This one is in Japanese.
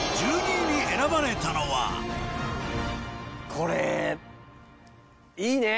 これいいね！